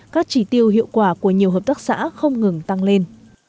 các chỉ tiêu hiệu quả của nhiều hợp tác xã không ngừng tăng lên